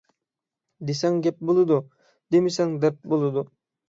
دىسەڭ گەپ بولىدۇ، دىمىسەڭ دەرد بولىدۇ.